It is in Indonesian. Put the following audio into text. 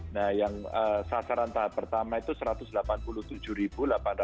nah yang sasaran tahap pertama itu rp satu ratus delapan puluh tujuh delapan ratus empat puluh satu